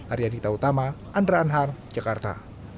arya dita utama andra anhar jakarta